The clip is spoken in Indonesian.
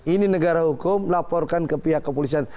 ini negara hukum melaporkan ke pihak kepolisian